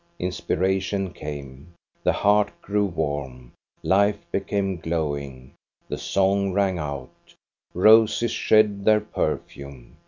Inspiration came, the heart grew warm, life became glowing, the song rang out, roses shed their perfume.